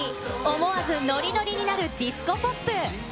思わずのりのりになるディスコポップ。